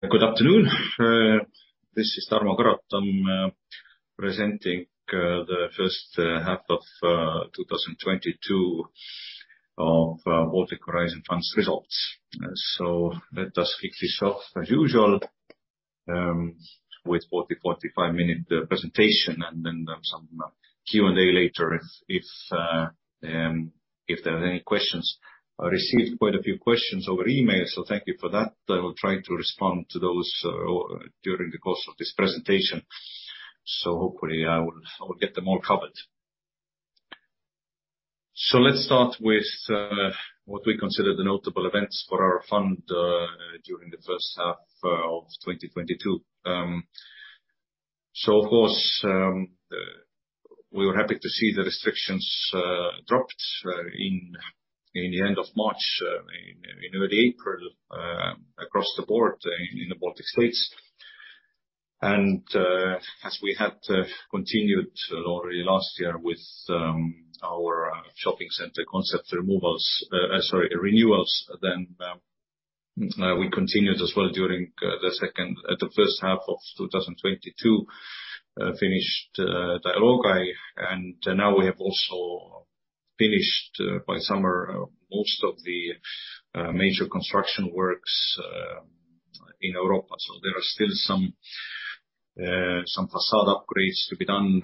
Good afternoon. This is Tarmo Karotam. I'm presenting the First Half of 2022 of Baltic Horizon Fund's results. Let us kick this off as usual with a 45-minute presentation, and then some Q&A later if there are any questions. I received quite a few questions over email, so thank you for that. I will try to respond to those or during the course of this presentation. Hopefully I will get them all covered. Let's start with what we consider the notable events for our fund during the first half of 2022. Of course, we were happy to see the restrictions dropped in the end of March, in early April, across the board in the Baltic States. As we had continued already last year with our shopping center concept renewals, then we continued as well during the first half of 2022, finished [Postimaja] and now we have also finished by summer most of the major construction works in Europa. There are still some facade upgrades to be done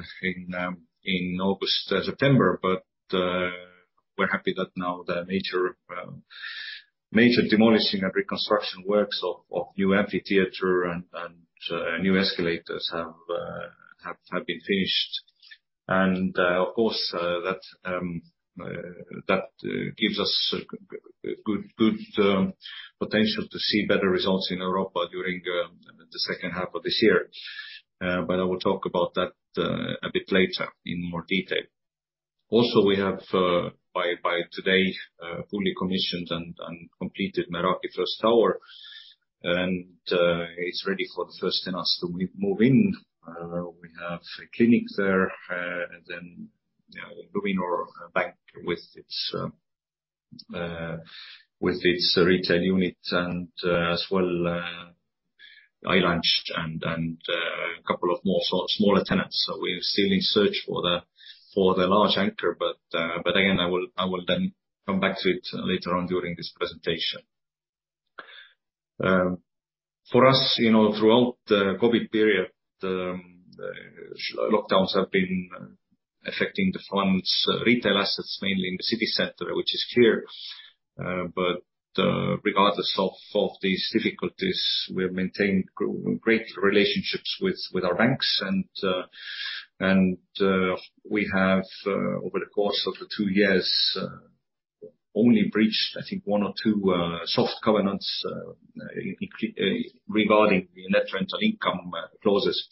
in August, September, but we're happy that now the major demolishing and reconstruction works of new amphitheater and new escalators have been finished. Of course, that gives us a good potential to see better results in Europa during the second half of this year. I will talk about that a bit later in more detail. Also, we have by today fully commissioned and completed Meraki first tower, and it's ready for the first tenants to move in. We have a clinic there, and then, you know, Luminor Bank with its retail unit and as well a couple of more smaller tenants. We're still in search for the large anchor, but again, I will then come back to it later on during this presentation. For us, you know, throughout the COVID period, lockdowns have been affecting the funds retail assets mainly in the city center, which is clear. Regardless of these difficulties, we've maintained great relationships with our banks and we have, over the course of the two years, only breached I think one or two soft covenants regarding the net rental income clauses.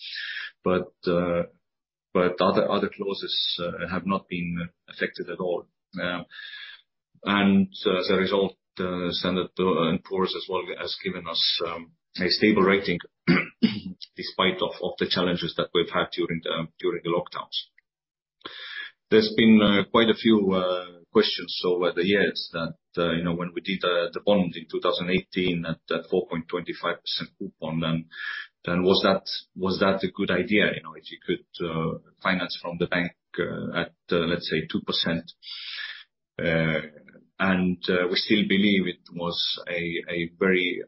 But other clauses have not been affected at all. As a result, Standard & Poor's as well has given us a stable rating despite of the challenges that we've had during the lockdowns. There's been quite a few questions over the years that you know when we did the bond in 2018 at a 4.25% coupon, then was that a good idea? You know, if you could finance from the bank at, let's say, 2%. We still believe it was a very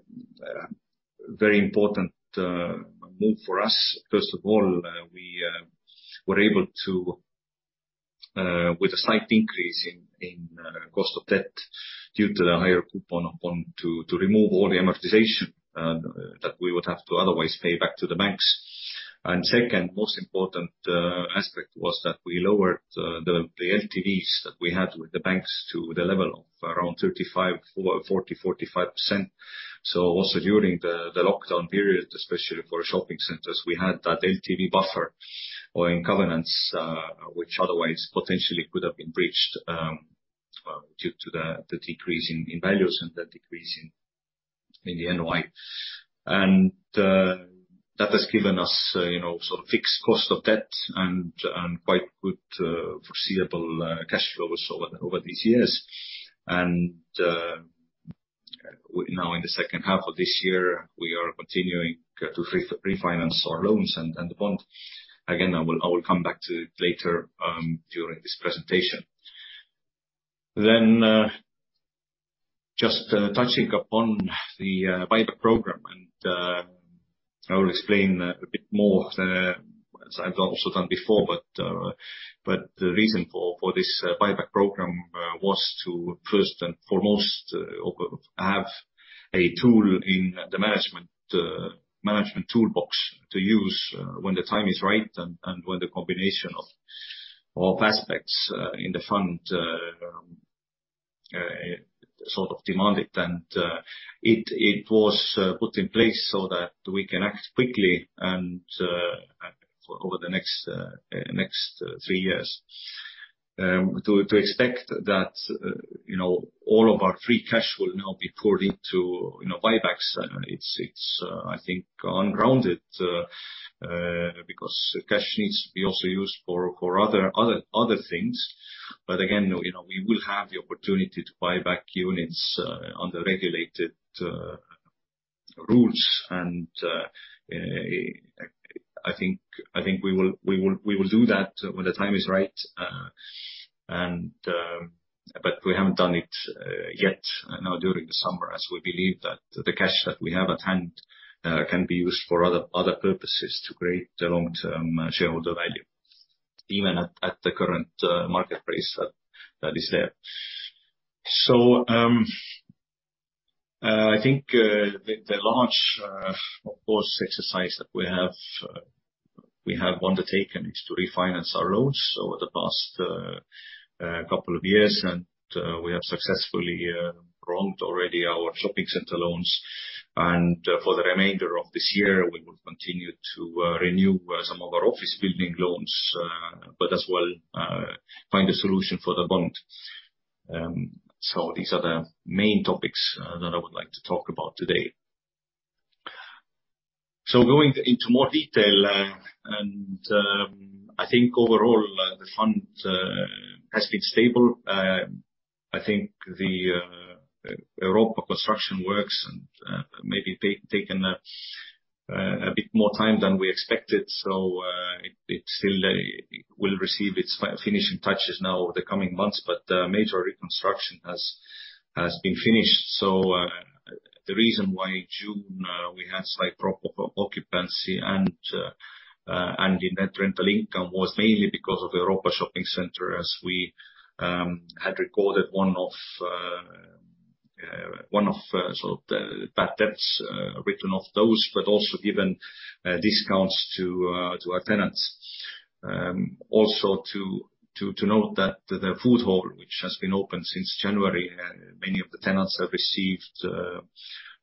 important move for us. First of all, we were able to with a slight increase in cost of debt due to the higher coupon to remove all the amortization that we would have to otherwise pay back to the banks. Second most important aspect was that we lowered the LTVs that we had with the banks to the level of around 35%, 40%, 45%. Also during the lockdown period, especially for shopping centers, we had that LTV buffer or in covenants, which otherwise potentially could have been breached, due to the decrease in values and the decrease in the NOI. That has given us, you know, sort of fixed cost of debt and quite good foreseeable cash flows over these years. Now in the second half of this year, we are continuing to refinance our loans and the bond. Again, I will come back to it later during this presentation. Just touching upon the buyback program, and I will explain a bit more there as I've also done before, but the reason for this buyback program was to first and foremost have a tool in the management toolbox to use when the time is right and when the combination of aspects in the fund sort of demand it. It was put in place so that we can act quickly and over the next three years. To expect that you know all of our free cash will now be poured into you know buybacks, it's, I think, unfounded because cash needs to be also used for other things. Again, you know, we will have the opportunity to buy back units on the regulated Nasdaq. I think we will do that when the time is right. We haven't done it yet, now during the summer, as we believe that the cash that we have at hand can be used for other purposes to create the long-term shareholder value, even at the current market price that is there. I think the largest, of course, exercise that we have undertaken is to refinance our loans over the past couple of years, and we have successfully refinanced already our shopping center loans. For the remainder of this year, we will continue to renew some of our office building loans, but as well, find a solution for the bond. These are the main topics that I would like to talk about today. Going into more detail, I think overall the fund has been stable. I think the Europa construction works and maybe taken a bit more time than we expected, so it will receive its finishing touches now over the coming months. The major reconstruction has been finished. The reason why June we had slight drop in occupancy and in net rental income was mainly because of the Europa Shopping Center, as we had recorded one of the bad debts written off those, but also given discounts to our tenants. Also to note that the food hall, which has been open since January, many of the tenants have received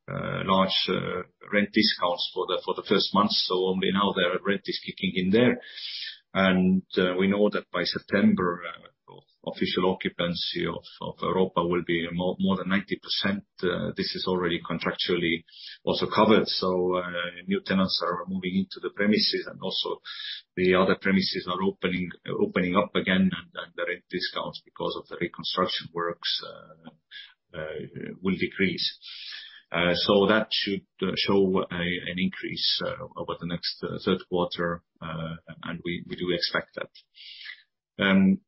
large rent discounts for the first month, so only now their rent is kicking in there. We know that by September official occupancy of Europa will be more than 90%. This is already contractually also covered. New tenants are moving into the premises and also the other premises are opening up again and the rent discounts because of the reconstruction works will decrease. That should show an increase over the next third quarter and we do expect that.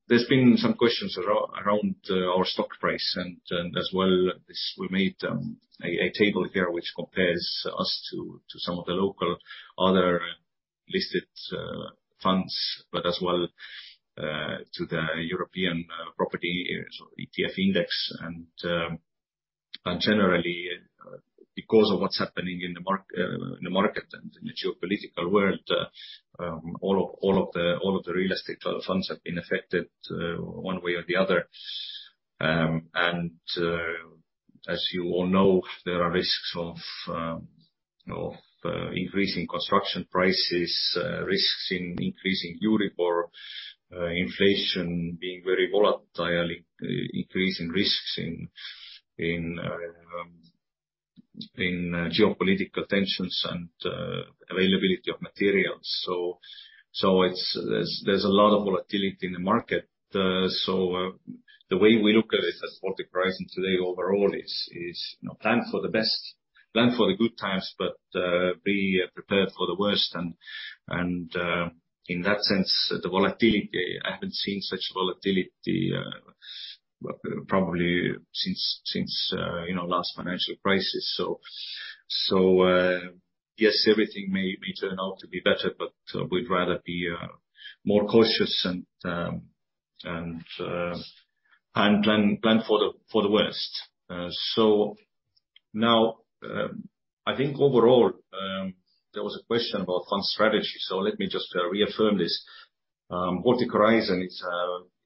There's been some questions around our stock price, and as well as this, we made a table here which compares us to some of the local other listed funds, but as well to the European property or ETF index. Generally, because of what's happening in the market and in the geopolitical world, all of the real estate funds have been affected one way or the other. As you all know, there are risks of increasing construction prices, risks in increasing Euribor, inflation being very volatile, increasing risks in geopolitical tensions and availability of materials. It's. There's a lot of volatility in the market. The way we look at it at Baltic Horizon today overall is, you know, plan for the best, plan for the good times, but be prepared for the worst. In that sense, the volatility, I haven't seen such volatility probably since, you know, last financial crisis. Yes, everything may turn out to be better, but we'd rather be more cautious and plan for the worst. Now, I think overall, there was a question about fund strategy. Let me just reaffirm this. Baltic Horizon,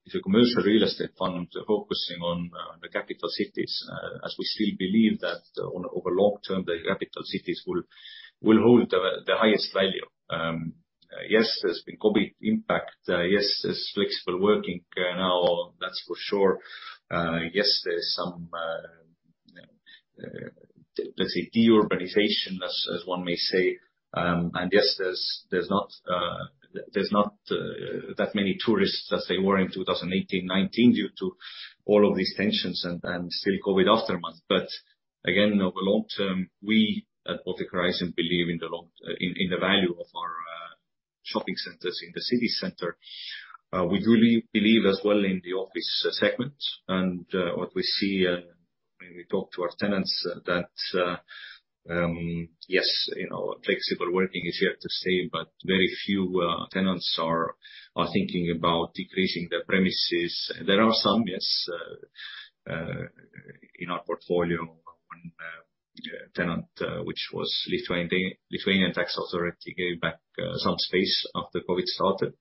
it's a commercial real estate fund focusing on the capital cities, as we still believe that over long term, the capital cities will hold the highest value. Yes, there's been COVID impact. Yes, there's flexible working now, that's for sure. Yes, there's some let's say de-urbanization, as one may say. Yes, there's not that many tourists as they were in 2018-2019 due to all of these tensions and still COVID aftermath. Again, over long term, we at Baltic Horizon believe in the value of our shopping centers in the city center. We really believe as well in the Office segment. What we see when we talk to our tenants that yes, you know, flexible working is here to stay, but very few tenants are thinking about decreasing their premises. There are some yes in our portfolio. One tenant which was at least [Lithuanian tax] gave back some space after COVID started.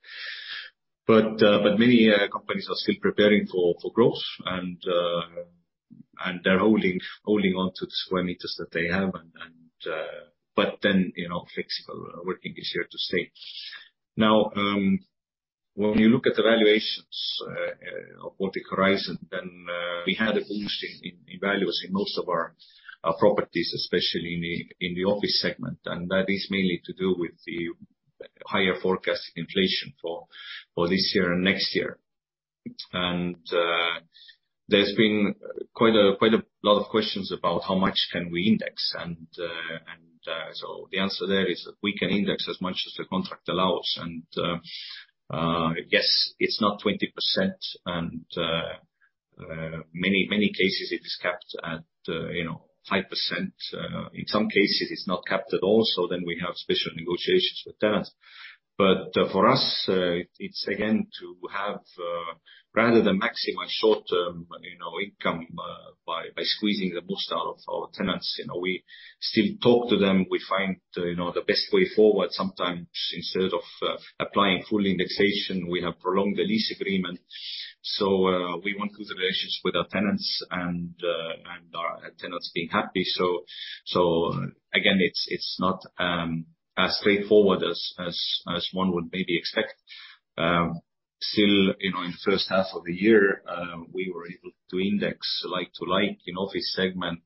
Many companies are still preparing for growth, and they're holding on to the square meters that they have. You know, flexible working is here to stay. Now, when you look at the valuations of Baltic Horizon, then we had a boost in values in most of our properties, especially in the Office segment. That is mainly to do with the higher forecasted inflation for this year and next year. There's been quite a lot of questions about how much can we index, so the answer there is that we can index as much as the contract allows, yes, it's not 20% and in many cases it is capped at, you know, 5%, in some cases it's not capped at all, so then we have special negotiations with tenants. For us, it's again to have rather than maximize short-term, you know, income by squeezing the most out of our tenants, you know, we still talk to them, we find, you know, the best way forward. Sometimes instead of applying full indexation, we have prolonged the lease agreement. We want good relations with our tenants and our tenants being happy. Again, it's not as straightforward as one would maybe expect. Still, you know, in the first half of the year, we were able to index like-to-like in Office segment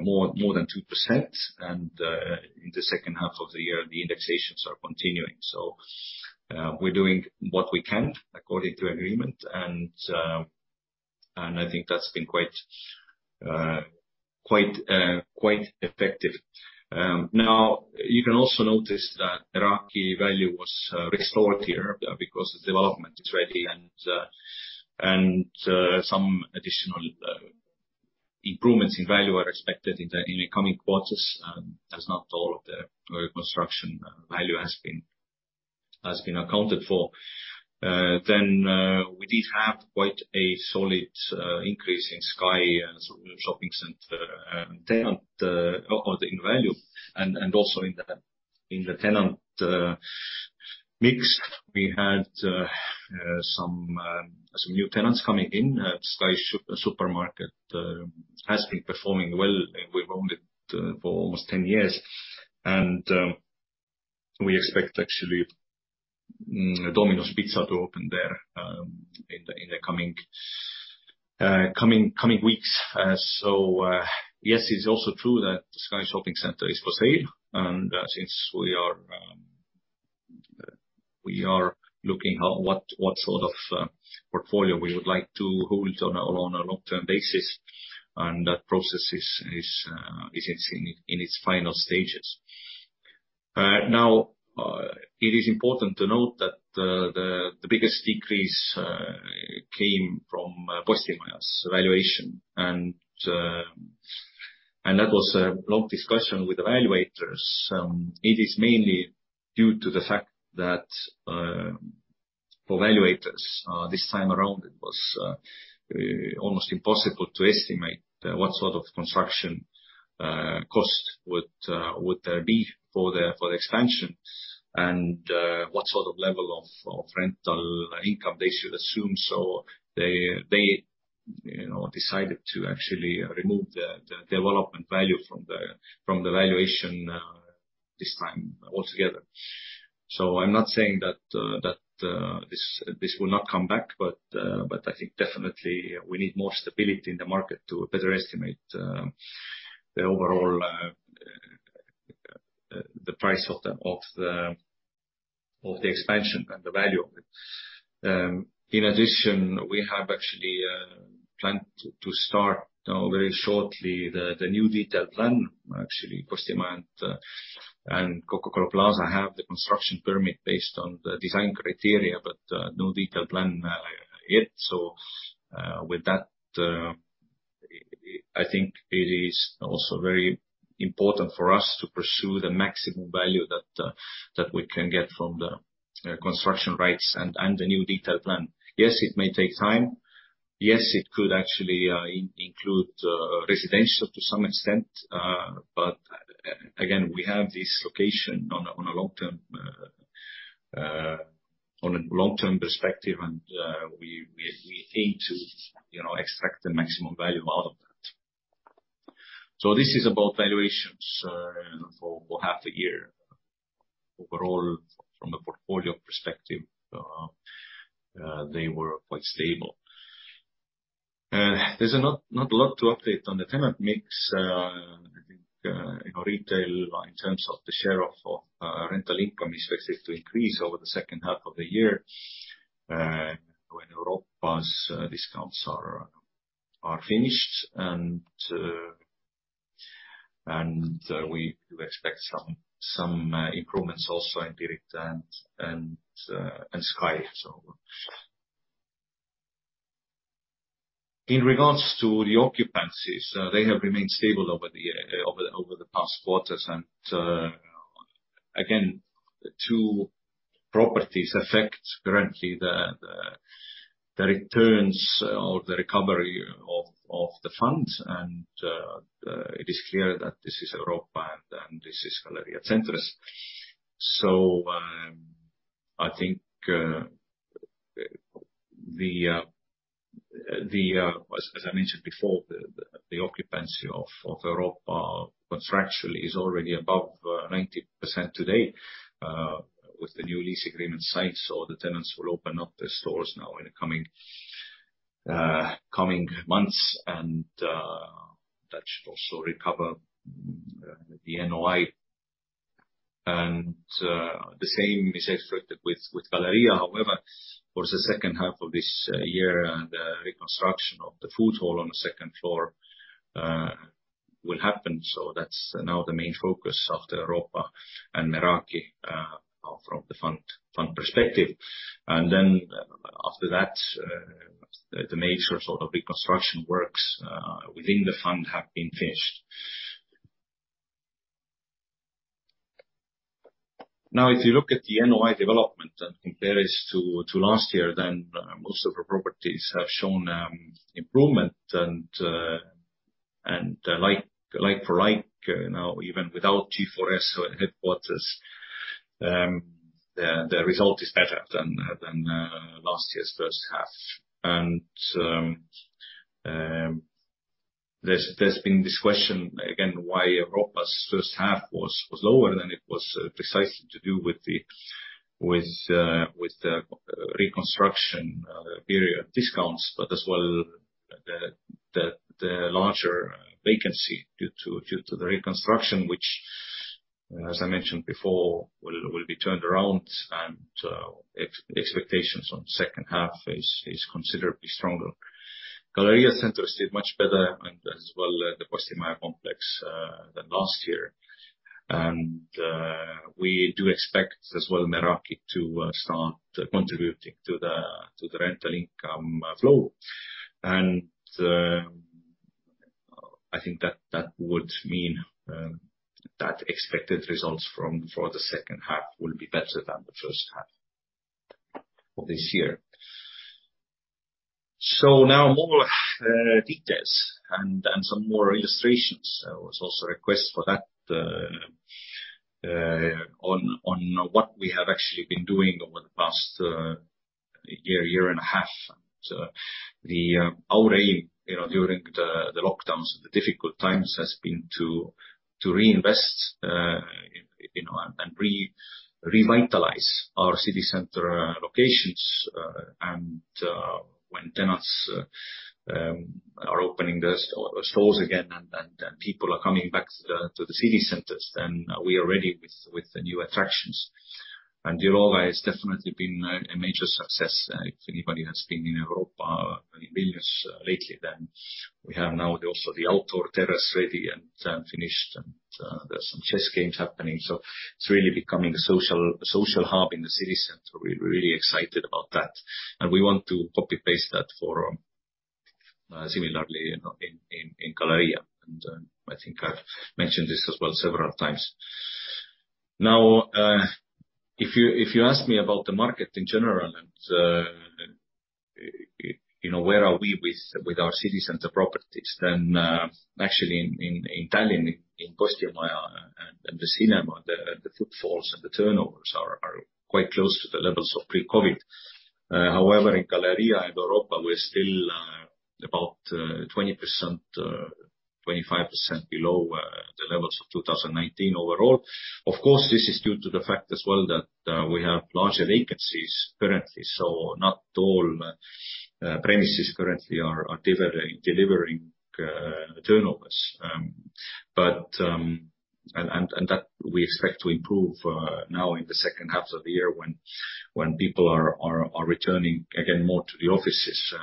more than 2% and in the second half of the year, the indexations are continuing. We're doing what we can according to agreement and I think that's been quite effective. Now, you can also notice that Meraki value was restored here, because the development is ready and some additional improvements in value are expected in the coming quarters, as not all of the construction value has been accounted for. We did have quite a solid increase in Sky Shopping Center in value, and also in the tenant mix. We had some new tenants coming in. Sky Supermarket has been performing well. We've owned it for almost 10 years. We expect actually Domino's Pizza to open there in the coming weeks. Yes, it's also true that Sky Shopping Center is for sale, and since we are looking what sort of portfolio we would like to hold on a long-term basis, and that process is in its final stages. Now, it is important to note that the biggest decrease came from Postimaja's valuation, and that was a long discussion with evaluators. It is mainly due to the fact that for evaluators, this time around it was almost impossible to estimate what sort of construction cost would there be for the expansion and what sort of level of rental income they should assume. They, you know, decided to actually remove the development value from the valuation this time altogether. I'm not saying that this will not come back, but I think definitely we need more stability in the market to better estimate the overall price of the expansion and the value of it. In addition, we have actually planned to start very shortly the new detailed plan. Actually, Postimaja and Coca-Cola Plaza have the construction permit based on the design criteria, but no detailed plan yet. With that, I think it is also very important for us to pursue the maximum value that we can get from the construction rights and the new detailed plan. Yes, it may take time. Yes, it could actually include residential to some extent. Again, we have this location on a long-term perspective and we aim to, you know, extract the maximum value out of that. This is about valuations for half the year. Overall, from the portfolio perspective, they were quite stable. There's not a lot to update on the tenant mix. I think, you know, retail in terms of the share of rental income is expected to increase over the second half of the year, when Europa's discounts are finished and we do expect some improvements also in Pirita and Sky. In regards to the occupancies, they have remained stable over the past quarters. Again, two properties affect currently the returns or the recovery of the funds. It is clear that this is Europa and this is Galerija Centrs. I think, as I mentioned before, the occupancy of Europa contractually is already above 90% today, with the new lease agreement signed, so the tenants will open up the stores now in the coming months. That should also recover the NOI. The same is expected with Galerija. However, for the second half of this year and reconstruction of the food hall on the second floor will happen. That's now the main focus of the Europa and Meraki from the fund perspective. After that, the major sort of reconstruction works within the fund have been finished. Now, if you look at the NOI development and compares to last year, then most of our properties have shown improvement. Like for like, you know, even without G4S headquarters, the result is better than last year's first half. There's been this question again, why Europa's first half was lower, and it was precisely to do with the reconstruction period discounts, but as well the larger vacancy due to the reconstruction, which, as I mentioned before, will be turned around and expectations on second half is considerably stronger. Galerija Centrs did much better, and as well, the Postimaja complex, than last year. We do expect as well Meraki to start contributing to the rental income flow. I think that would mean that expected results for the second half will be better than the first half of this year. Now more details and some more illustrations. There was also a request for that, on what we have actually been doing over the past year and a half. Our aim, you know, during the lockdowns, the difficult times, has been to reinvest, you know, and revitalize our city center locations. When tenants are opening their stores again and people are coming back to the city centers, then we are ready with the new attractions. Europa has definitely been a major success. If anybody has been in Europa in Vilnius lately, then we have now also the outdoor terrace ready and finished, and there's some chess games happening. It's really becoming a social hub in the city center. We're really excited about that, and we want to copy-paste that for similarly, you know, in Galerija. I think I've mentioned this as well several times. Now, if you ask me about the market in general and, you know, where are we with our city center properties, then, actually in Tallinn, in Postimaja and the cinema, the footfalls and the turnovers are quite close to the levels of pre-COVID. However, in Galerija and Europa, we're still about 20%, 25% below the levels of 2019 overall. Of course, this is due to the fact as well that we have larger vacancies currently. Not all premises currently are delivering turnovers, but that we expect to improve now in the second half of the year when people are returning again more to the offices.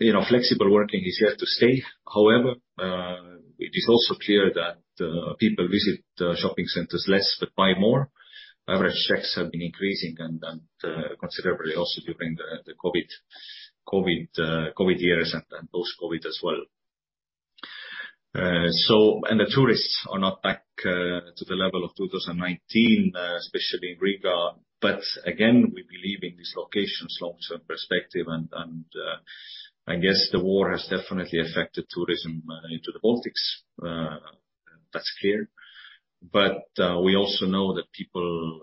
You know, flexible working is here to stay. However, it is also clear that people visit shopping centers less but buy more. Average checks have been increasing and considerably also during the COVID years and post-COVID as well. The tourists are not back to the level of 2019, especially in Riga. Again, we believe in these locations' long-term perspective and I guess the war has definitely affected tourism into the Baltics. That's clear. We also know that people,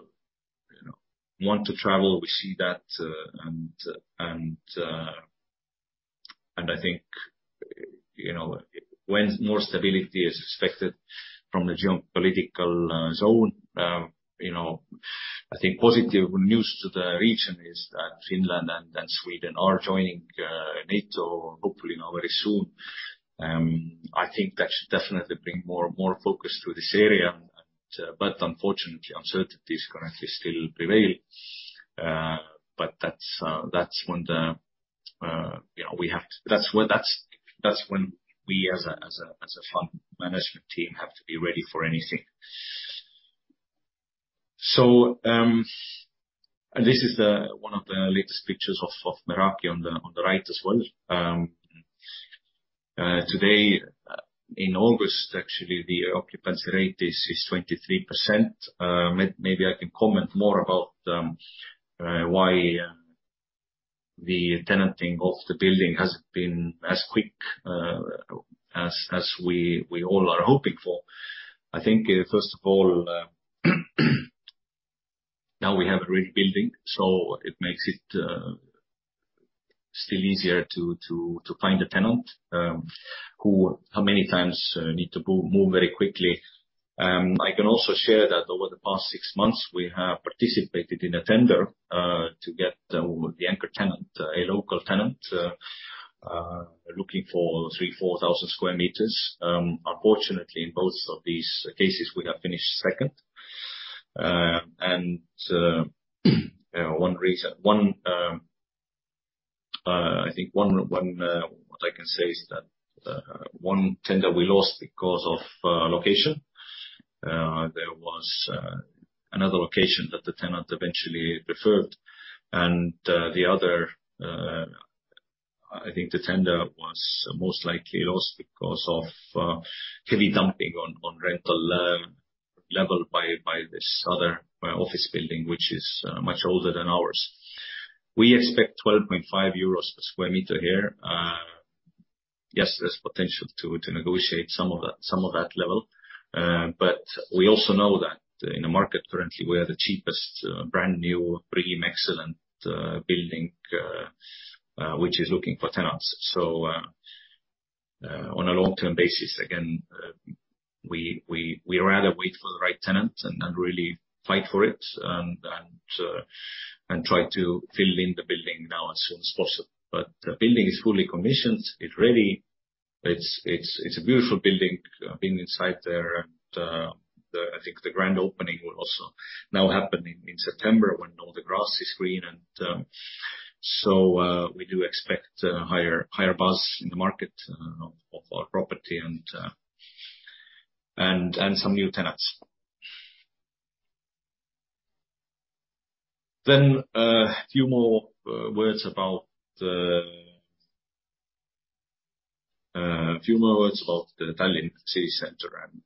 you know, want to travel. We see that and I think, you know, when more stability is expected from the geopolitical zone, you know. I think positive news to the region is that Finland and Sweden are joining NATO, hopefully now very soon. I think that should definitely bring more focus to this area. Unfortunately, uncertainties currently still prevail. That's when you know we as a fund management team have to be ready for anything. This is one of the latest pictures of Meraki on the right as well. Today in August actually the occupancy rate is 23%. Maybe I can comment more about why the tenanting of the building hasn't been as quick as we all are hoping for. I think first of all now we have a real building so it makes it still easier to find a tenant who however many times need to move very quickly. I can also share that over the past six months we have participated in a tender to get the anchor tenant, a local tenant, looking for 3,000, 4,000 sq m. Unfortunately in both of these cases we have finished second. One reason, I think what I can say is that one tender we lost because of location. There was another location that the tenant eventually preferred. I think the tender was most likely lost because of heavy dumping on rental level by this other office building, which is much older than ours. We expect 12.5 euros per square meter here. Yes, there's potential to negotiate some of that level. We also know that in the market currently, we are the cheapest brand new, premium, excellent building which is looking for tenants. On a long-term basis, again, we rather wait for the right tenant and really fight for it, and try to fill the building now as soon as possible. The building is fully commissioned. It's ready. It's a beautiful building, being inside there. I think the grand opening will also now happen in September when all the grass is green and we do expect higher buzz in the market of our property and some new tenants. A few more words about the Tallinn City Center, and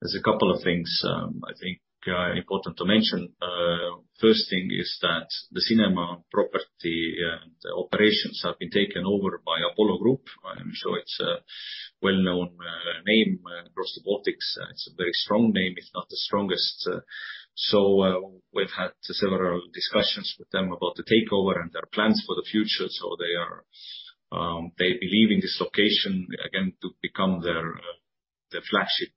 there's a couple of things I think are important to mention. First thing is that the cinema property and operations have been taken over by Apollo Group. I'm sure it's a well-known name across the Baltics. It's a very strong name, if not the strongest. We've had several discussions with them about the takeover and their plans for the future. They believe in this location again, to become their flagship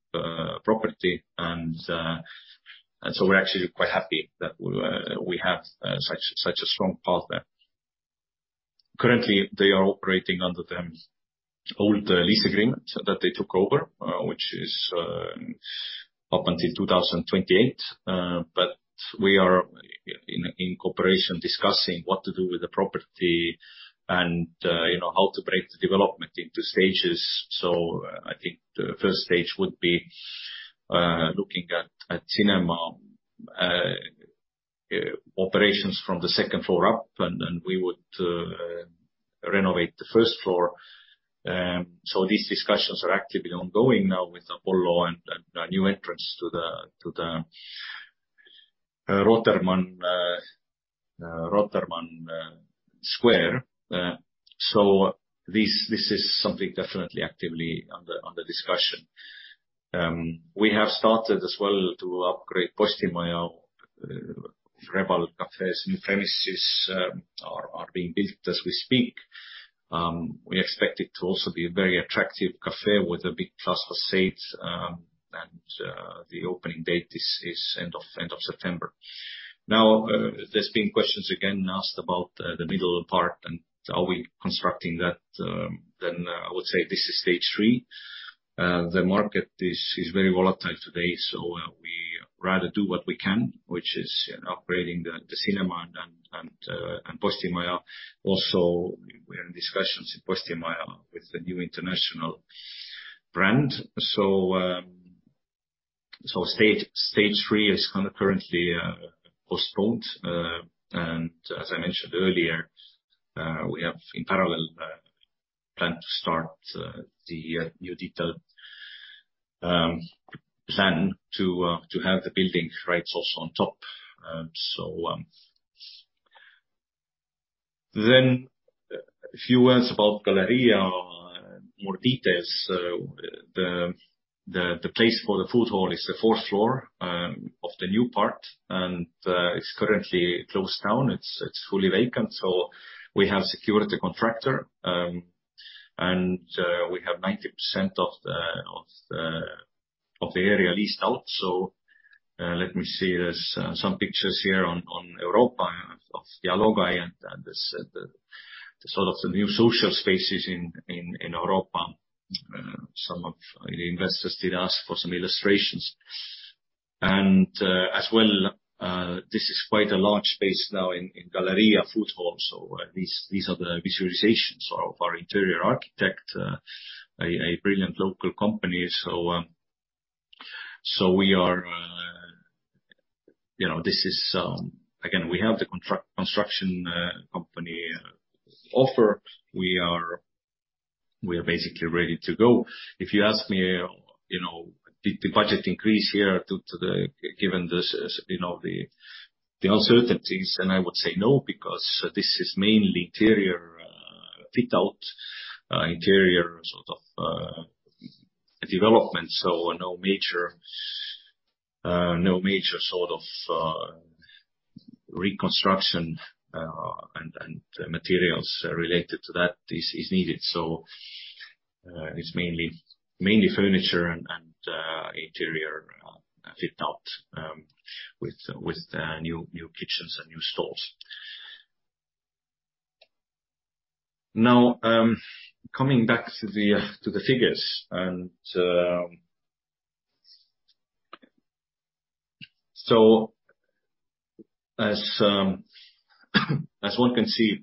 property. We're actually quite happy that we have such a strong partner. Currently, they are operating under the old lease agreement that they took over, which is up until 2028. We are in cooperation discussing what to do with the property and, you know, how to break the development into stages. I think the first stage would be looking at cinema operations from the second floor up, and then we would renovate the first floor. These discussions are actively ongoing now with Apollo and a new entrance to the Rotermann Square. This is something definitely actively under discussion. We have started as well to upgrade Postimaja Reval cafes. New premises are being built as we speak. We expect it to also be a very attractive cafe with a big terrace facade and the opening date is end of September. Now, there's been questions again asked about the middle part and are we constructing that. I would say this is stage three. The market is very volatile today, so we rather do what we can, which is, you know, upgrading the cinema and Postimaja. Also, we are in discussions in Postimaja with a new international brand. Stage three is kind of currently postponed. As I mentioned earlier, we have in parallel plan to start the new detailed plan to have the building rights also on top. A few words about Galerija, more details. The place for the food hall is the fourth floor of the new floor, and it's currently closed down. It's fully vacant, so we have secured the contractor. We have 90% of the area leased out. Let me see. There's some pictures here on Europa of the logo and the sort of the new social spaces in Europa. Some of the investors did ask for some illustrations. As well, this is quite a large space now in Galerija food hall. These are the visualizations of our interior architect, a brilliant local company. You know, this is. Again, we have the construction company offer. We are basically ready to go. If you ask me, you know, did the budget increase here due to the given this, you know, the uncertainties, and I would say no, because this is mainly interior fit out, interior sort of development. No major sort of reconstruction and materials related to that is needed. It's mainly furniture and interior fit out with the new kitchens and new stores. Now, coming back to the figures. As one can see,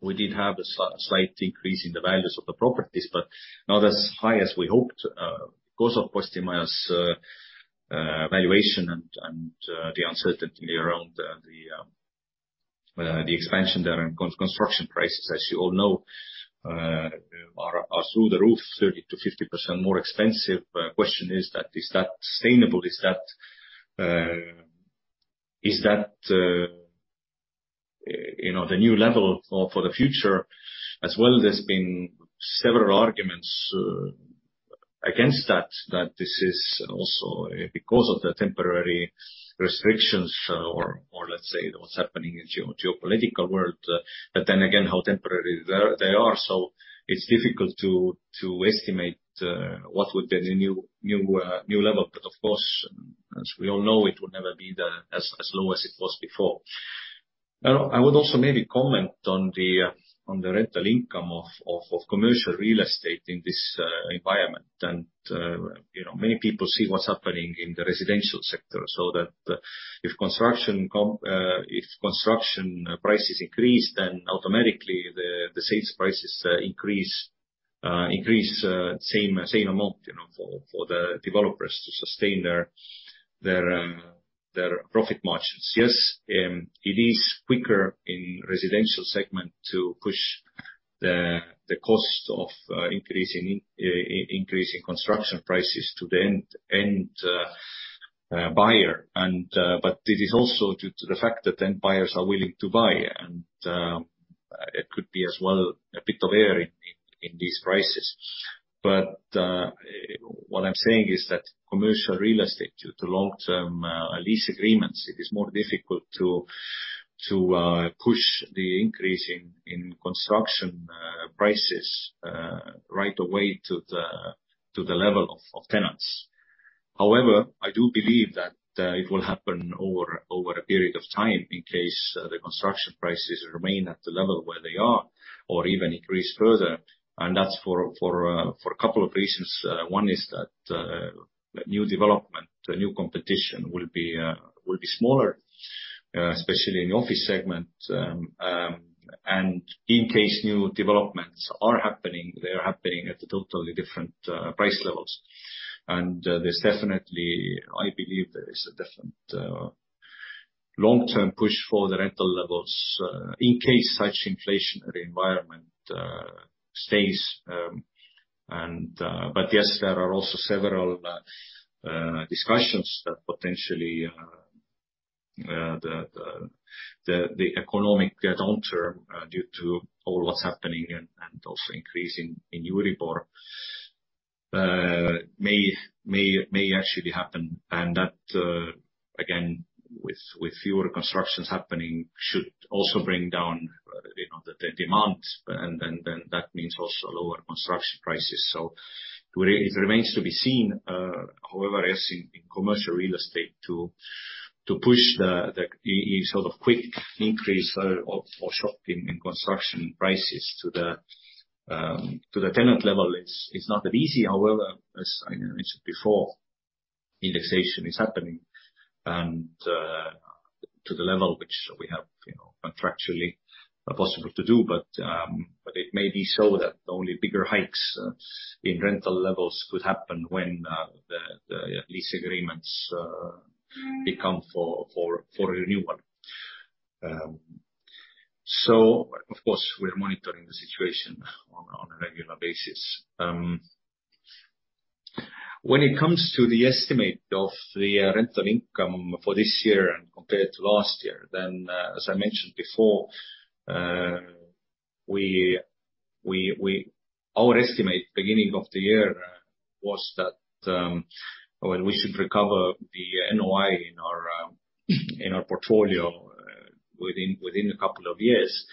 we did have a slight increase in the values of the properties, but not as high as we hoped, because of Postimaja's valuation and the uncertainty around the expansion there. Construction prices, as you all know, are through the roof, 30%-50% more expensive. Question is that, is that sustainable? Is that the new level for the future? As well, there's been several arguments against that this is also because of the temporary restrictions or let's say what's happening in geopolitical world. But then again, how temporary they are. It's difficult to estimate what would be the new level. But of course, as we all know, it will never be as low as it was before. Now, I would also maybe comment on the rental income of commercial real estate in this environment. You know, many people see what's happening in the residential sector, so that if construction prices increase, then automatically the sales prices increase the same amount, you know, for the developers to sustain their profit margins. Yes, it is quicker in residential segment to push the cost of increasing construction prices to the end buyer, but it is also due to the fact that end buyers are willing to buy. It could be as well a bit of air in these prices. What I'm saying is that commercial real estate, due to long-term lease agreements, it is more difficult to push the increase in construction prices right away to the level of tenants. However, I do believe that it will happen over a period of time in case the construction prices remain at the level where they are or even increase further, and that's for a couple of reasons. One is that new development, new competition will be smaller, especially in Office segment. And in case new developments are happening, they are happening at a totally different price levels. And, there's definitely I believe there is a different long-term push for the rental levels in case such inflationary environment stays. Yes, there are also several discussions that potentially the economic downturn, due to all what's happening and also increase in Euribor, may actually happen. That again, with fewer constructions happening, should also bring down, you know, the demands, and then that means also lower construction prices. It remains to be seen. However, as in commercial real estate, to push the sort of quick increase or sharp increase in construction prices to the tenant level, it's not that easy. However, as I mentioned before, indexation is happening and to the level which we have, you know, contractually are possible to do. It may be so that only bigger hikes in rental levels could happen when the lease agreements become due for renewal. Of course we are monitoring the situation on a regular basis. When it comes to the estimate of the rental income for this year and compared to last year, as I mentioned before, our estimate at the beginning of the year was that, well, we should recover the NOI in our portfolio within a couple of years.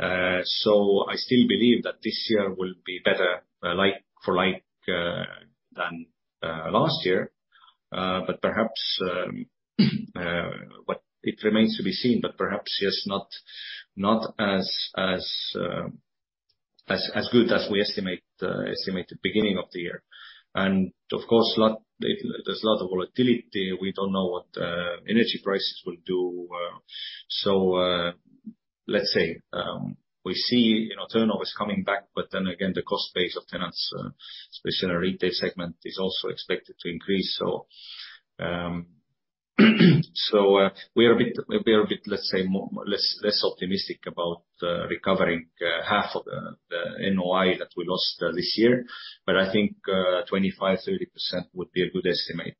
I still believe that this year will be better, like for like, than last year. It remains to be seen, but perhaps just not as good as we estimate at the beginning of the year. Of course, there's a lot of volatility. We don't know what energy prices will do. Let's say, we see, you know, turnover is coming back, but then again, the cost base of tenants, especially in our retail segment, is also expected to increase. We are a bit, let's say less optimistic about recovering half of the NOI that we lost this year. I think 25%, 30% would be a good estimate.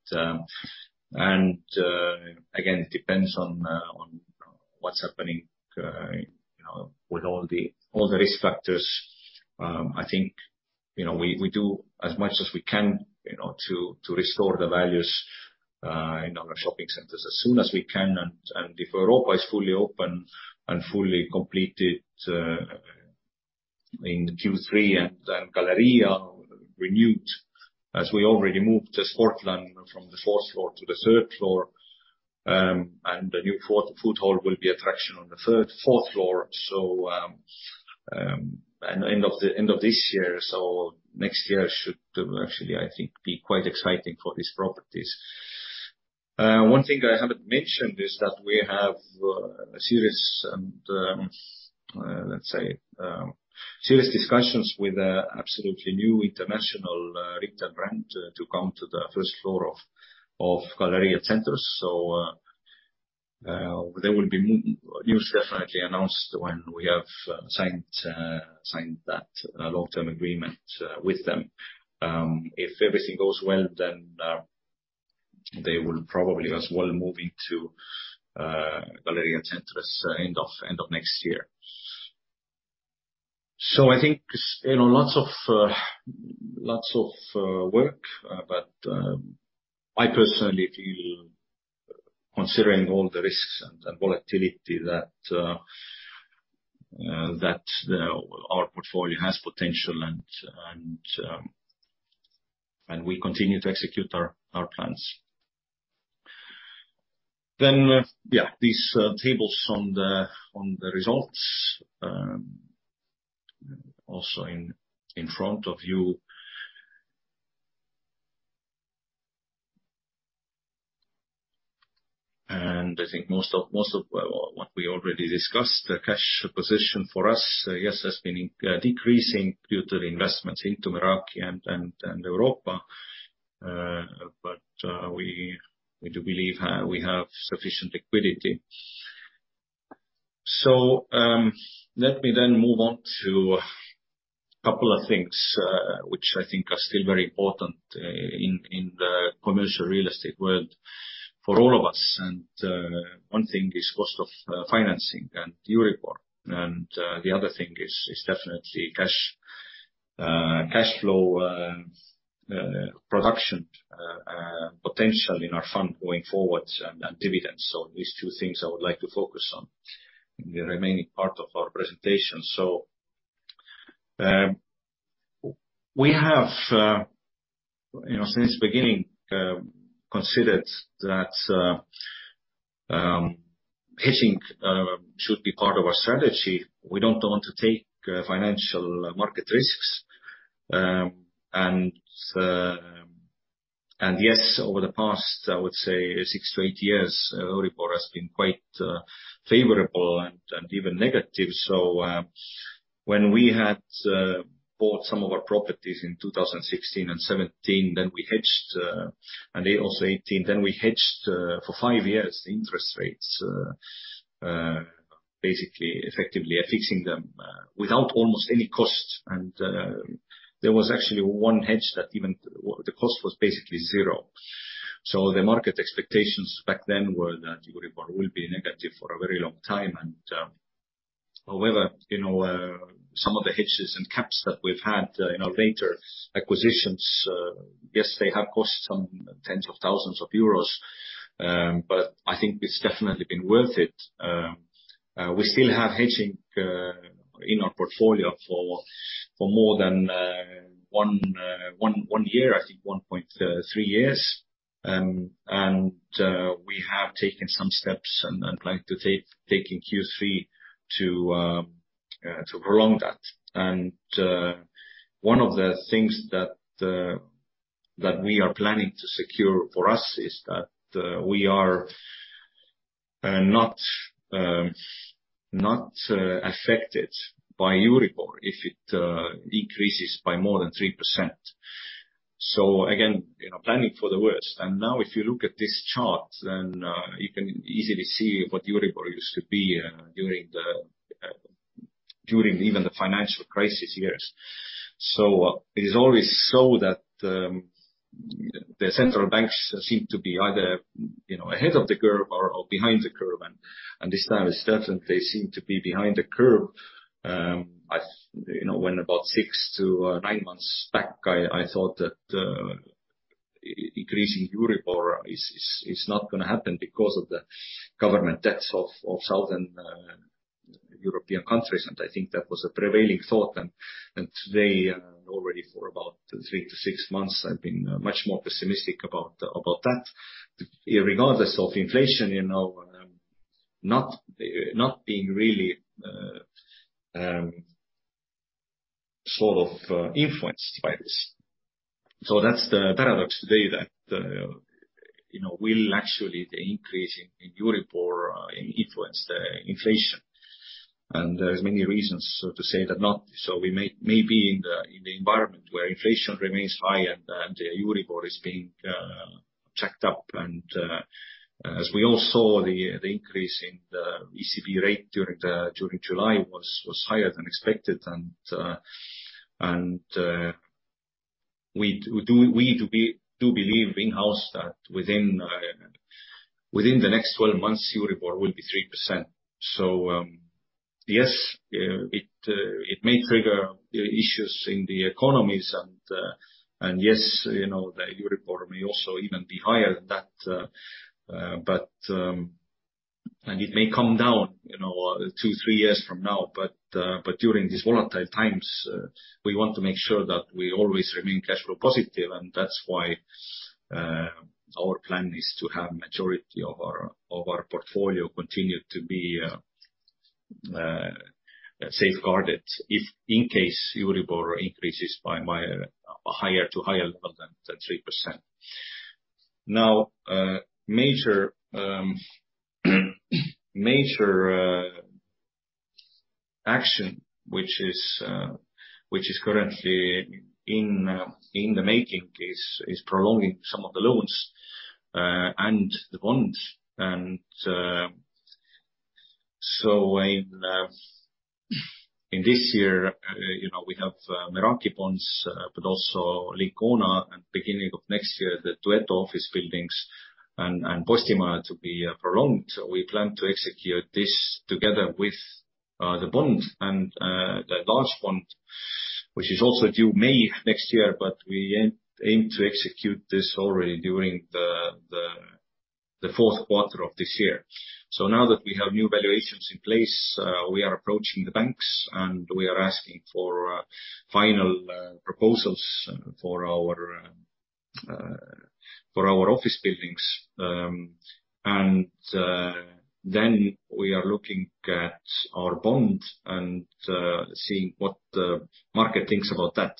Again, it depends on what's happening, you know, with all the risk factors. I think, you know, we do as much as we can, you know, to restore the values in our shopping centers as soon as we can. If Europa is fully open and fully completed in Q3, and then Galerija renewed, as we already moved to [Portland] from the fourth floor to the third floor. And the new food hall will be an attraction on the third, fourth floor end of this year. Next year should actually, I think, be quite exciting for these properties. One thing I haven't mentioned is that we have serious discussions with an absolutely new international retail brand to come to the first floor of Galerija Centrs. There will be news definitely announced when we have signed that long-term agreement with them. If everything goes well, they will probably as well move into Galerija Centrs end of next year. I think, you know, lots of work. I personally feel, considering all the risks and volatility that our portfolio has potential and we continue to execute our plans. Yeah, these tables on the results also in front of you. I think most of what we already discussed, the cash position for us, yes, has been decreasing due to the investments into Meraki and Europa. We do believe we have sufficient liquidity. Let me then move on to a couple of things which I think are still very important in the commercial real estate world for all of us. One thing is cost of financing and Euribor. The other thing is definitely cash flow production potential in our fund going forward and dividends. These two things I would like to focus on in the remaining part of our presentation. We have you know since the beginning considered that hedging should be part of our strategy. We don't want to take financial market risks. Yes, over the past, I would say six to eight years, Euribor has been quite favorable and even negative. When we had bought some of our properties in 2016 and 2017, and also 2018, then we hedged for five years the interest rates, basically effectively fixing them, without almost any cost. There was actually one hedge that even the cost was basically zero. The market expectations back then were that Euribor will be negative for a very long time. However, you know, some of the hedges and caps that we've had in our later acquisitions, yes, they have cost some tens of thousands of euros, but I think it's definitely been worth it. We still have hedging in our portfolio for more than 1.3 years. I think we have taken some steps and plan to take in Q3 to prolong that. One of the things that we are planning to secure for us is that we are not affected by Euribor if it decreases by more than 3%. Again, you know, planning for the worst. Now if you look at this chart, then you can easily see what Euribor used to be during even the financial crisis years. It is always so that the central banks seem to be either, you know, ahead of the curve or behind the curve. This time it's certain they seem to be behind the curve. You know, when about six to nine months back, I thought that increasing Euribor is not going to happen because of the government debts of southern European countries, and I think that was a prevailing thought. Today, already for about three to six months, I've been much more pessimistic about that. Irregardless of inflation, you know, not being really sort of influenced by this. That's the paradox today that, you know, will actually the increase in Euribor influence the inflation. There's many reasons to say that not so we may be in the environment where inflation remains high and Euribor is being checked up. As we all saw, the increase in the ECB rate during July was higher than expected. We believe in-house that within the next 12 months, Euribor will be 3%. It may trigger the issues in the economies, and you know, the Euribor may also even be higher than that, and it may come down, you know, two, three years from now, but during these volatile times, we want to make sure that we always remain cash flow positive. That's why our plan is to have majority of our portfolio continue to be safeguarded if in case Euribor increases to a higher level than 3%. Now, major action, which is currently in the making is prolonging some of the loans and the bonds. In this year, you know, we have Meraki bonds, but also Lincona and beginning of next year, the Duetto office buildings and Postimaja to be prolonged. We plan to execute this together with the bond and the large bond, which is also due May next year, but we aim to execute this already during the fourth quarter of this year. Now that we have new valuations in place, we are approaching the banks, and we are asking for final proposals for our office buildings. We are looking at our bond and seeing what the market thinks about that.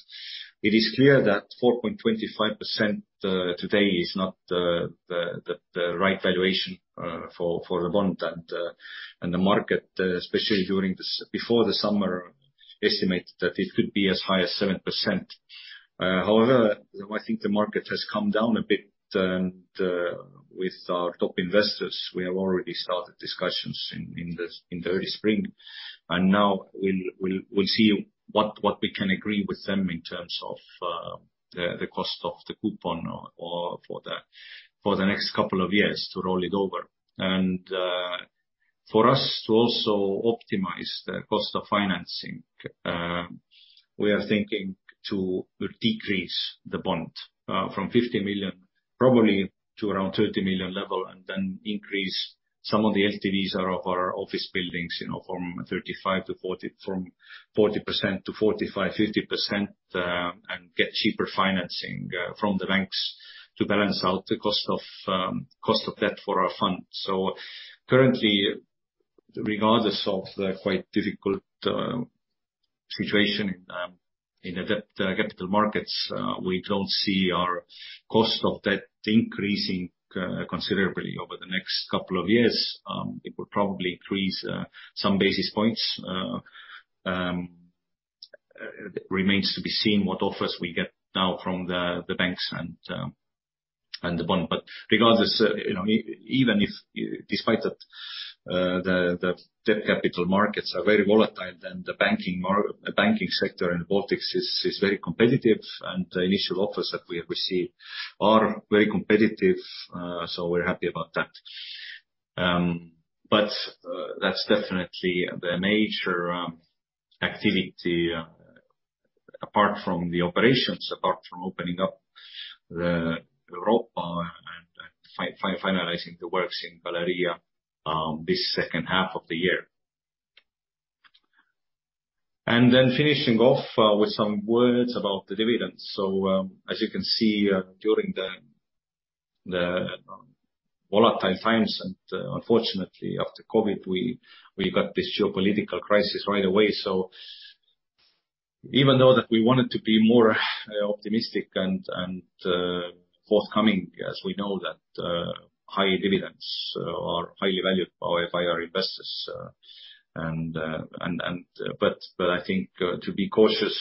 It is clear that 4.25% today is not the right valuation for the bond, and the market, especially before the summer, estimated that it could be as high as 7%. However, I think the market has come down a bit, and with our top investors, we have already started discussions in the early spring. Now we'll see what we can agree with them in terms of the cost of the coupon or for the next couple of years to roll it over. For us to also optimize the cost of financing, we are thinking to decrease the bond from 50 million probably to around 30 million level and then increase some of the LTVs of our office buildings, you know, from 40%-45%, 50%, and get cheaper financing from the banks to balance out the cost of debt for our fund. Currently, regardless of the quite difficult situation in the capital markets, we don't see our cost of debt increasing considerably over the next couple of years. It will probably increase some basis points. Remains to be seen what offers we get now from the banks and the bond. Regardless, you know, even if despite that, the debt capital markets are very volatile, then the banking sector in the Baltics is very competitive, and the initial offers that we have received are very competitive, so we're happy about that. That's definitely the major activity, apart from the operations, apart from opening up the Europa and finalizing the works in Galerija, this second half of the year. Then finishing off with some words about the dividends. As you can see, during the volatile times and, unfortunately, after COVID, we got this geopolitical crisis right away. Even though that we wanted to be more optimistic and forthcoming as we know that high dividends are highly valued by our investors, and I think to be cautious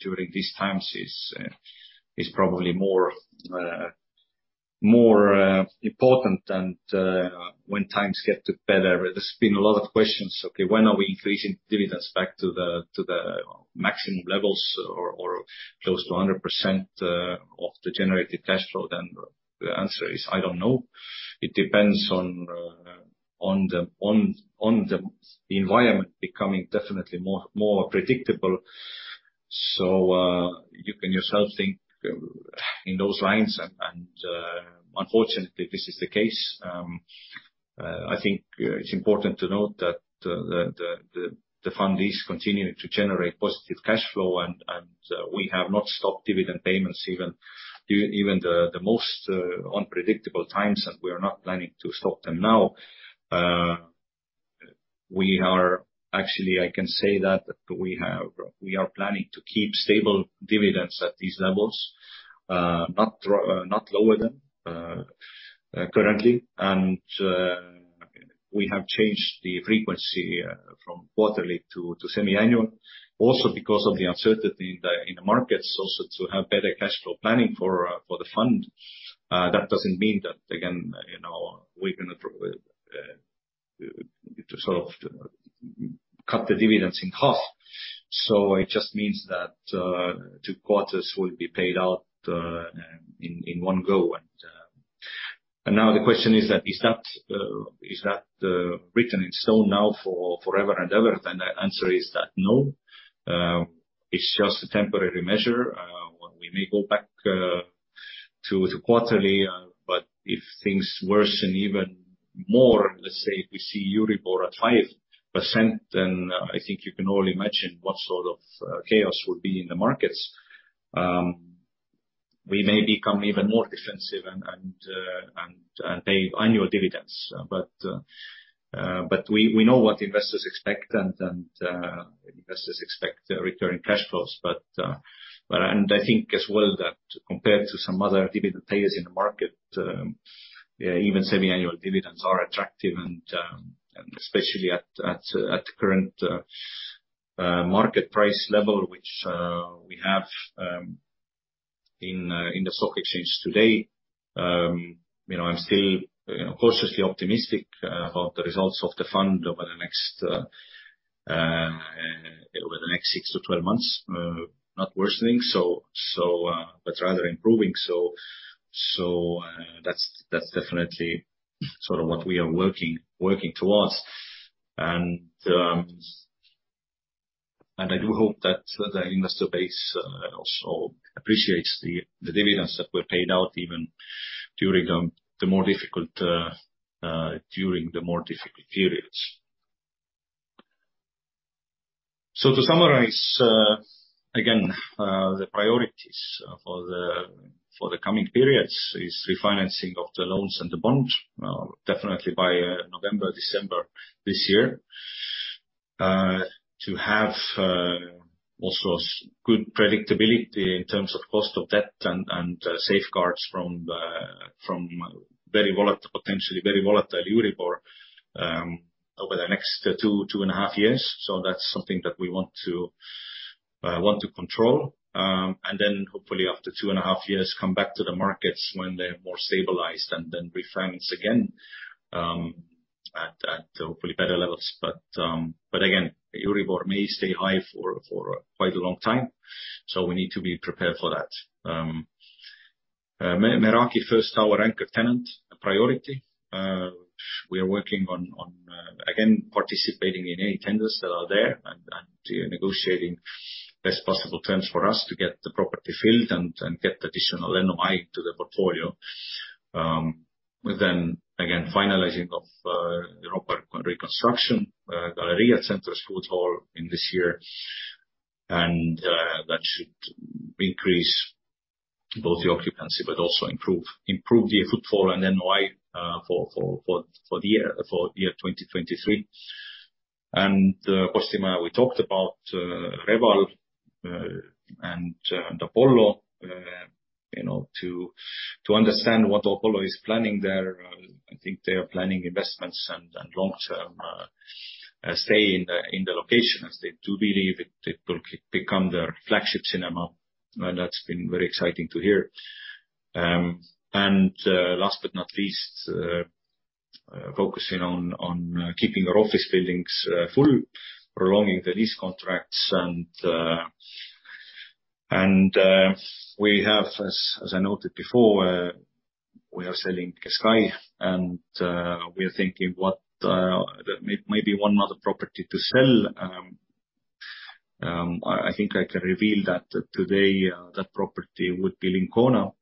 during these times is probably more important than when times get better. There's been a lot of questions, okay, when are we increasing dividends back to the maximum levels or close to 100% of the generated cash flow? The answer is, I don't know. It depends on the environment becoming definitely more predictable. You can yourself think in those lines. Unfortunately, this is the case. I think it's important to note that the fund is continuing to generate positive cash flow and we have not stopped dividend payments even the most unpredictable times, and we are not planning to stop them now. We are... Actually, I can say that we are planning to keep stable dividends at these levels, not lower them, currently. We have changed the frequency from quarterly to semi-annual also because of the uncertainty in the markets, also to have better cash flow planning for the fund. That doesn't mean that again, you know, it's not to sort of cut the dividends in half. It just means that two quarters will be paid out in one go. Now the question is that written in stone now for forever and ever? The answer is that no, it's just a temporary measure. We may go back to the quarterly, but if things worsen even more, let's say if we see Euribor at 5%, then I think you can only imagine what sort of chaos would be in the markets. We may become even more defensive and pay annual dividends. We know what investors expect, and investors expect a return cash flows. I think as well that compared to some other dividend payers in the market, even semiannual dividends are attractive and especially at the current market price level, which we have in the stock exchange today. You know, I'm still cautiously optimistic about the results of the fund over the next six to 12 months, not worsening, but rather improving. That's definitely sort of what we are working towards. I do hope that the investor base also appreciates the dividends that were paid out even during the more difficult periods. To summarize, again, the priorities for the coming periods is refinancing of the loans and the bond, definitely by November, December this year. To have also good predictability in terms of cost of debt and safeguards from potentially very volatile Euribor over the next two and a half years. That's something that we want to control. Hopefully after two and a half years, come back to the markets when they're more stabilized and then refinance again at hopefully better levels. Again, Euribor may stay high for quite a long time, so we need to be prepared for that. Meraki first tower anchor tenant a priority, which we are working on, again participating in any tenders that are there and negotiating best possible terms for us to get the property filled and get additional NOI to the portfolio. Finalizing of the Rotermann reconstruction, Galerija Centrs food hall in this year. That should increase both the occupancy but also improve the footfall and NOI for the year 2023. Europa, we talked about rental and the Apollo, you know, to understand what Apollo is planning there. I think they are planning investments and long-term stay in the location, as they do believe it could become their flagship cinema, and that's been very exciting to hear. Last but not least, focusing on keeping our office buildings full, prolonging the lease contracts. We have, as I noted before, we are selling Lincona, and we are thinking maybe one other property to sell. I think I can reveal that today, that property would be Lincona.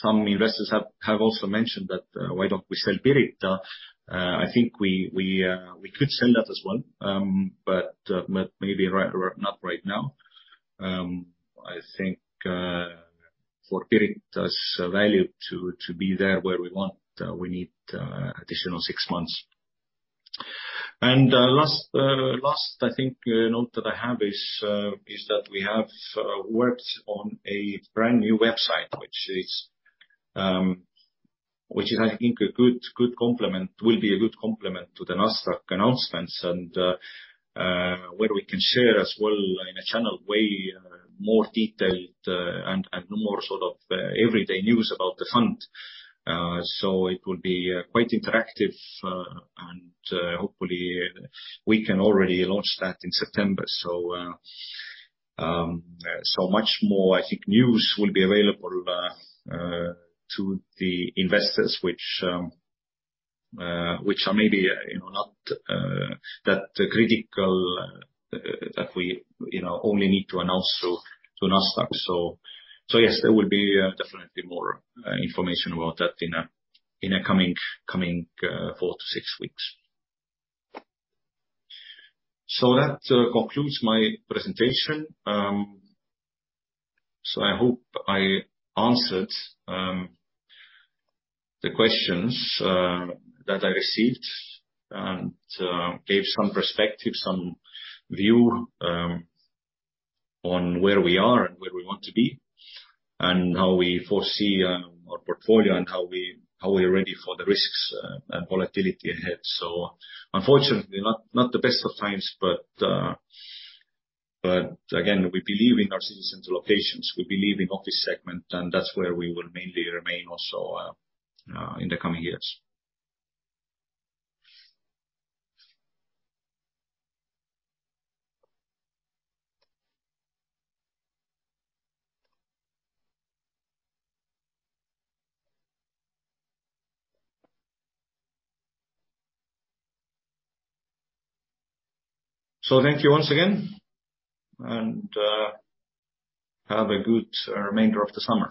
Some investors have also mentioned that, why don't we sell Pirita? I think we could sell that as well, but maybe not right now. I think for Pirita's value to be there where we want, we need additional six months. Last note that I have is that we have worked on a brand new website, which I think will be a good complement to the Nasdaq announcements and where we can share as well in a much more detailed way and more sort of everyday news about the fund. It will be quite interactive, and hopefully we can already launch that in September. Much more, I think news will be available to the investors which are maybe, you know, not that critical that we, you know, only need to announce through to Nasdaq. Yes, there will be definitely more information about that in a coming four to six weeks. That concludes my presentation. I hope I answered the questions that I received and gave some perspective, some view on where we are and where we want to be, and how we foresee our portfolio and how we are ready for the risks and volatility ahead. Unfortunately not the best of times, but again, we believe in our citizens and locations. We believe in Office segment, and that's where we will mainly remain also in the coming years. Thank you once again, and have a good remainder of the summer.